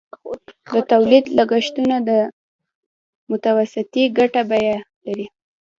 د تولید لګښتونه د متوسطې ګټې بیه لري